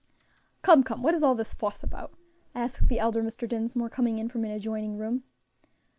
"Come, come, what is all this fuss about?" asked the elder Mr. Dinsmore, coming in from an adjoining room.